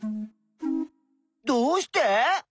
どうして？